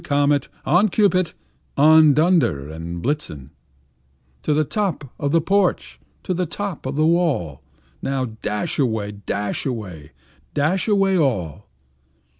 Comet, on! Cupid, on! Dunder and Blitzen To the top of the porch, to the top of the wall! Now, dash away, dash away, dash away all!"